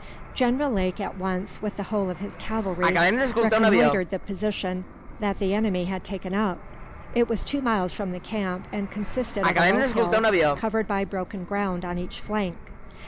General Lake at once, with the whole of his cavalry, reconnoitred the position that the enemy had taken up. It was two miles from the camp, and consisted of a low hill, covered by broken ground on each flank.